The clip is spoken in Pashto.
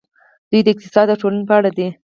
دوی د اقتصاد او ټولنې په اړه دي.